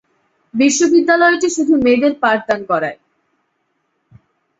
বিশ্ববিদ্যালয়টি শুধু মেয়েদের পাঠদান করায়।